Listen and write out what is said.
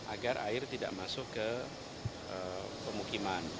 agar air tidak masuk ke pemukiman